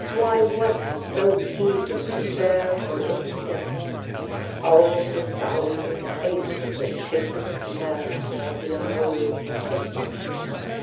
Why was he so eager to bear for its sake "all the thousand aches That patient merit of the unworthy takes"?